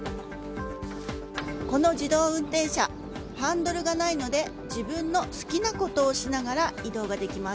この自動運転車ハンドルのがないので自分の好きなことをしながら移動ができます。